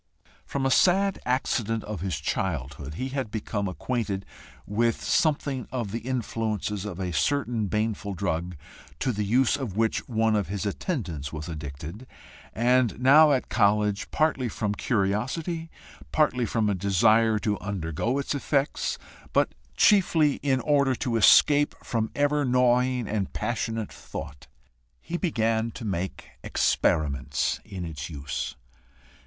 From a sad accident of his childhood, he had become acquainted with something of the influences of a certain baneful drug, to the use of which one of his attendants was addicted, and now at college, partly from curiosity, partly from a desire to undergo its effects, but chiefly in order to escape from ever gnawing and passionate thought, he began to make EXPERIMENTS in its use.